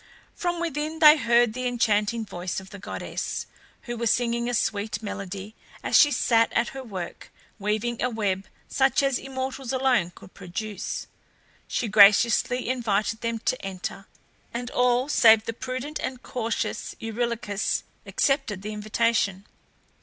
From within they heard the enchanting voice of the goddess, who was singing a sweet melody as she sat at her work, weaving a web such as immortals alone could produce. She graciously invited them to enter, and all save the prudent and cautious Eurylochus accepted the invitation.